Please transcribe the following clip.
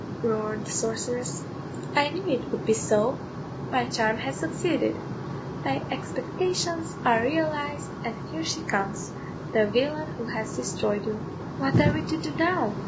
roared the sorceress, "I knew it would be so; my charm has succeeded; my expectations are realised, and here she comes, the villain who has destroyed you." "What are we to do now?"